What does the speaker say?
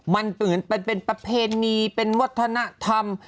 มันเหมือนเป็นประเพณีเป็นวัฒนธรรม